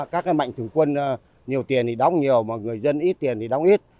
các mạnh thường quân nhiều tiền thì đóng nhiều mà người dân ít tiền thì đóng ít